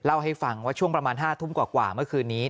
เล่าให้ฟังว่าช่วงประมาณ๕ทุ่มกว่าเมื่อคืนนี้